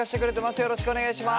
よろしくお願いします。